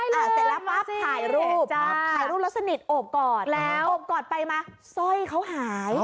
เสร็จแล้วปั๊บถ่ายรูปถ่ายรูปแล้วสนิทโอบกอดแล้วโอบกอดไปมาสร้อยเขาหาย